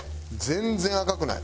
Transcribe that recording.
全然赤くない。